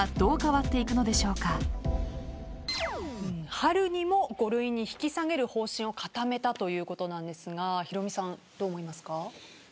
春にも５類に引き下げる方針を固めたということなんですがヒロミさん、どう思いますか。